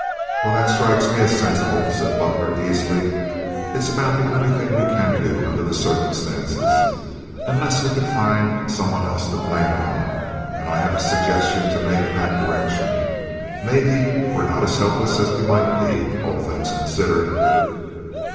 "Well, that strikes me as sinsible," said Butler, easily. "It's about the only thing we can do under the circumstances, unless we could find some one else to blame it on, and I have a suggestion to make in that direction. Maybe we're not as helpless as we might be, all things considered."